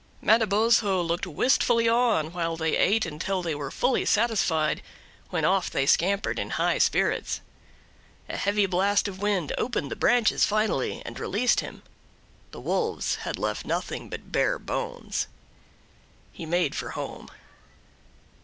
Manabozho looked wistfully on while they ate until they were fully satisfied, when off they scampered in high spirits. A heavy blast of wind opened the branches finally, and released him. The wolves had left nothing but bare bones. He made for home.